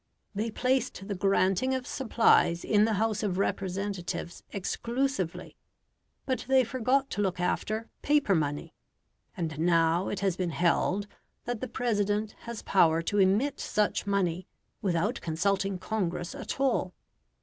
They placed the granting of supplies in the House of Representatives exclusively. But they forgot to look after "paper money"; and now it has been held that the President has power to emit such money without consulting Congress at all.